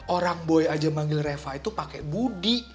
orang boy aja manggil reva itu pakai budi